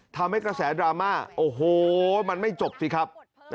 ทำให้กระแสดราม่าโอ้โหมันไม่จบสิครับ